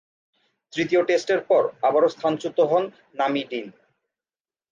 তৃতীয় টেস্টের পর আবারও স্থানচ্যুত হন নামি ডিন।